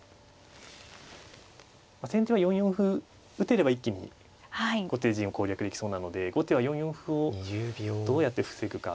先手は４四歩打てれば一気に後手陣を攻略できそうなので後手は４四歩をどうやって防ぐか。